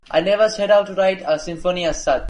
I never set out to write a symphony as such.